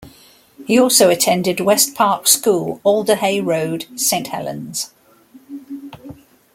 He also attended West Park School, Alder Hey Road, Saint Helens.